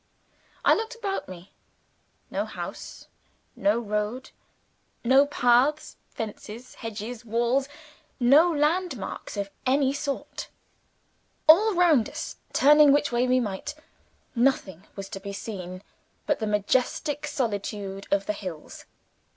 I looked about me. No house; no road; no paths, fences, hedges, walls; no land marks of any sort. All round us, turn which way we might, nothing was to be seen but the majestic solitude of the hills.